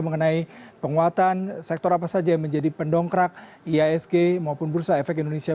mengenai penguatan sektor apa saja yang menjadi pendongkrak iasg maupun bursa efek indonesia